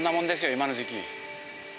今の時期。